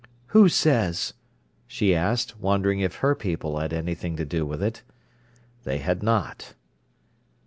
"Who says?" she asked, wondering if her people had anything to do with it. They had not.